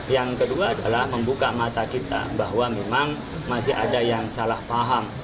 yang kedua adalah membuka mata kita bahwa memang masih ada yang salah paham